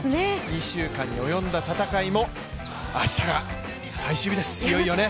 ２週間に及んだ戦いも明日が最終日です、いよいよね。